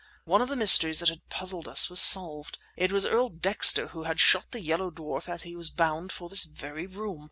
One of the mysteries that had puzzled us was solved. It was Earl Dexter who had shot the yellow dwarf as he was bound for this very room!